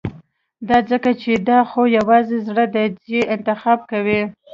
دا ځکه چې دا خو يوازې زړه دی چې انتخاب کوي.